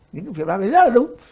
những cái biện pháp này rất là đúng